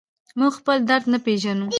موږ خپل درد نه پېژنو.